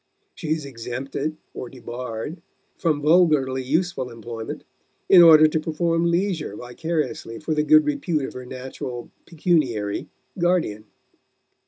She is exempted, or debarred, from vulgarly useful employment in order to perform leisure vicariously for the good repute of her natural (pecuniary) guardian.